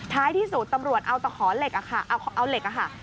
ท้ายที่สุดตำรวจเอาตะขอเหล็กอะค่ะเอาเหล็กอะค่ะ